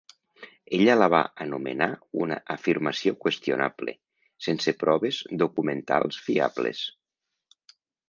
Ella la va anomenar una "afirmació qüestionable" sense proves documentals fiables.